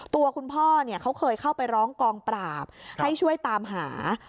ตัวคุณพ่อเนี่ยเขาเคยเข้าไปร้องกองปราบให้ช่วยตามหา